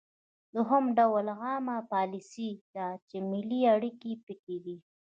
دوهم ډول عامه پالیسي ده چې ملي اړیکې پکې دي